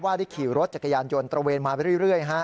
ได้ขี่รถจักรยานยนต์ตระเวนมาไปเรื่อย